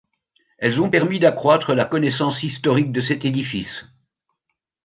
Elles ont permis d'accroître la connaissance historique de cet édifice.